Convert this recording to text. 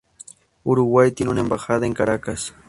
Uruguay tiene una embajada en Caracas.